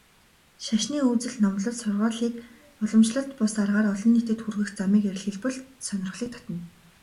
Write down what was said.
Шашны үзэл номлол, сургаалыг уламжлалт бус аргаар олон нийтэд хүргэх замыг эрэлхийлбэл сонирхлыг татна.